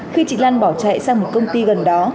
khi chị lan bỏ chạy sang một công ty gần đó